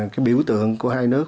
cái biểu tượng của hai nước